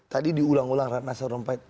tadi diulang ulang ratna sarumpait